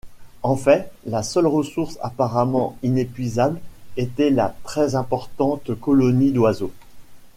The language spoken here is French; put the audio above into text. En fait, la seule ressource apparemment inépuisable, était la très importante colonie d'oiseaux.